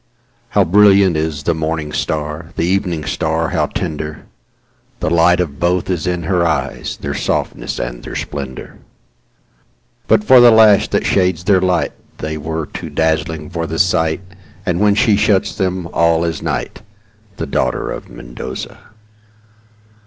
How brilliant is the morning star, The evening star how tender,—The light of both is in her eyes, Their softness and their splendor. But for the lash that shades their lightThey were too dazzling for the sight, And when she shuts them, all is night—The daughter of Mendoza.